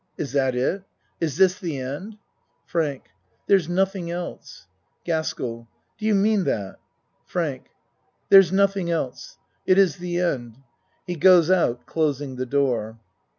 Is that it? Is this the end? FRANK There's nothing else. GASKELL Do you mean that? FRANK There's nothing else. It is the end. (He goes out closing the door.)